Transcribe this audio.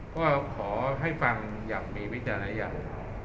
ก็ขอให้ฟังอย่างมีวิจารณญาณ